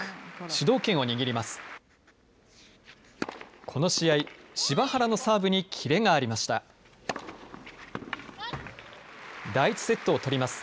主導権を握ります。